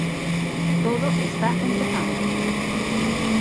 Todo está empezando.